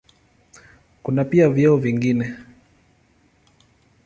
Kuna pia vyeo vingine.